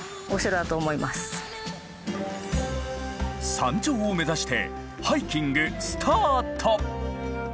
山頂を目指してハイキングスタート。